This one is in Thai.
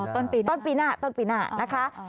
ต้นปีหน้าต้นปีหน้าต้นปีหน้านะคะ